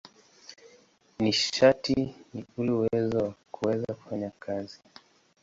Nishati ni ule uwezo wa kuweza kufanya kazi.